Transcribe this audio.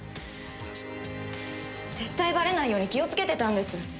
絶対ばれないように気をつけてたんです。